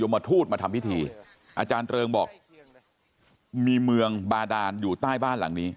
มทูตมาทำพิธีอาจารย์เริงบอกมีเมืองบาดานอยู่ใต้บ้านหลังนี้